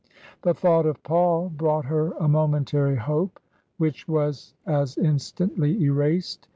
The thought of Paul brought her a momentary hope which was as instantly erased.